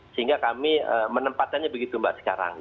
sehingga kami menempatkannya begitu mbak sekarang